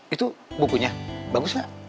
itu bukunya bagus pak